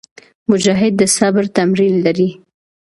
مجاهد د صبر تمرین لري.